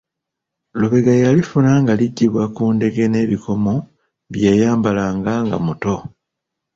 Lubega yalifuna nga liggyibwa ku ndege n’ebikomo bye yayambalanga nga muto.